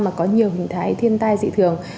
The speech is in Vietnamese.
mà có nhiều hình thái thiên tai dị thường